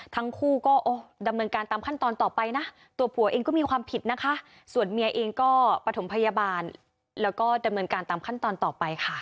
ทั้งคู่ก็ดำเนินการตามขั้นตอนต่อไปนะตัวผัวเองก็มีความผิดนะคะส่วนเมียเองก็ประถมพยาบาลแล้วก็ดำเนินการตามขั้นตอนต่อไปค่ะ